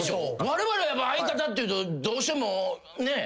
われわれやっぱ「相方」っていうとどうしてもねえ。